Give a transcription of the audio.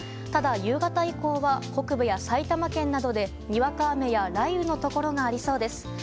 ただ、夕方以降は北部や埼玉県などでにわか雨や雷雨のところがありそうです。